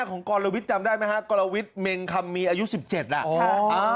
กรวิทย์จำได้ไหมฮะกรวิทย์เมงคำมีอายุ๑๗อ่ะ